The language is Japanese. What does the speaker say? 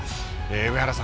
上原さん